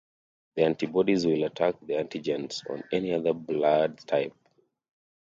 The antibodies will attack the antigens on any other blood type.